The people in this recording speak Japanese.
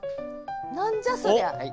何じゃそりゃ？